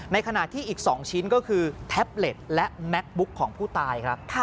ขณะที่อีก๒ชิ้นก็คือแท็บเล็ตและแม็กบุ๊กของผู้ตายครับ